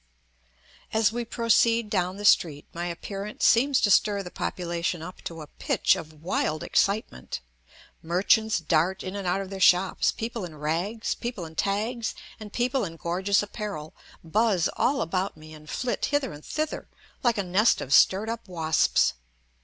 As we proceed down the street my appearance seems to stir the population up to a pitch of wild excitement. Merchants dart in and out of their shops, people in rags, people in tags, and people in gorgeous apparel, buzz all about me and flit hither and thither like a nest of stirred up wasps.